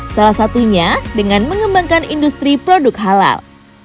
salah satunya dengan mengembangkan industri produk halal